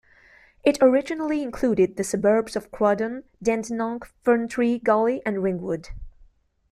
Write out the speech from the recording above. It originally included the suburbs of Croydon, Dandenong, Ferntree Gully and Ringwood.